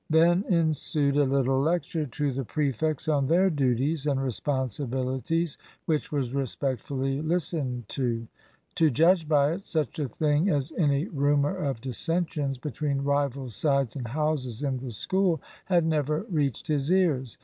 Then ensued a little lecture to the prefects on their duties and responsibilities, which was respectfully listened to. To judge by it, such a thing as any rumour of dissensions between rival sides and houses in the school had never reached his ears.